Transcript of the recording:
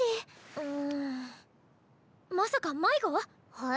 うんまさか迷子⁉へ？